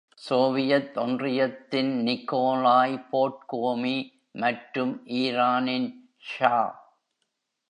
Soviet ஒன்றியத்தின் Nikolai Podgorny மற்றும் ஈரானின் ஷா.